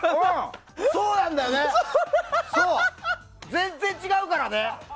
全然違うからね。